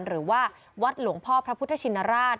หรือว่าวัดหลวงพ่อพระพุทธชินราช